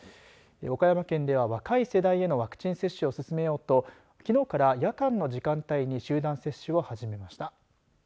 岡山県では、若い世代へのワクチン接種を進めようときのうから夜間の時間帯に集団接種を始めました。